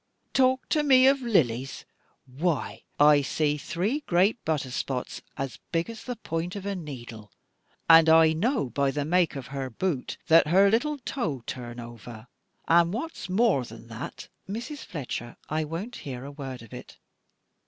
Talk to me of Lilies why I see three great butter spots, as big as the point of a needle, and I know by the make of her boot that her little toe turn over; and what's more than that " "Mrs. Fletcher, I won't hear a word of it.